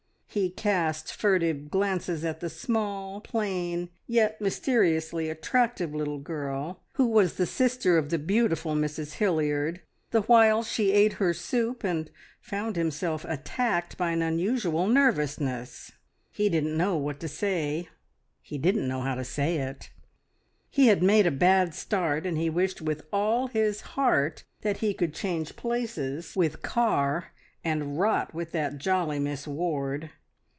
He cast furtive glances at the small, plain, yet mysteriously attractive little girl, who was the sister of the beautiful Mrs Hilliard, the while she ate her soup, and found himself attacked by an unusual nervousness. He didn't know what to say: he didn't know how to say it. He had made a bad start, and he wished with all his heart that he could change places with Carr and "rot" with that jolly Miss Ward.